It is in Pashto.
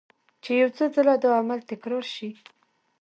چې يو څو ځله دا عمل تکرار شي